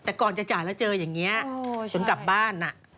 แต่ก่อนจะจ่ายแล้วเจออย่างนี้จนกลับบ้าน